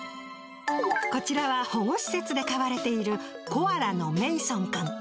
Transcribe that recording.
こちらは保護施設で飼われているコアラのメイソン君。